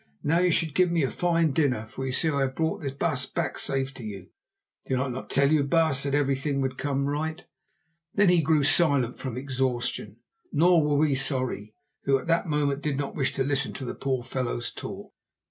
"Now you should give me a fine dinner, for you see I have brought the baas back safe to you. Did I not tell you, baas, that everything would come right?" Then he grew silent from exhaustion. Nor were we sorry, who at that moment did not wish to listen to the poor fellow's talk.